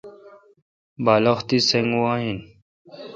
بالخ تی سنگ وا این